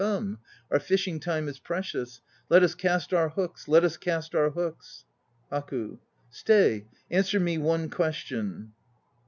Come, our fishing time is precious. Let us cast our hooks, Let us cast our hooks! HAKU. rlAKU. Stay! Answer me one question.